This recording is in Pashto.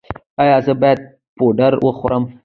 ایا زه باید پوډر وخورم؟